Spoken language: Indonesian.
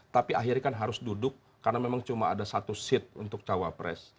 tapi akhirnya kan harus duduk karena memang cuma ada satu seat untuk cawapres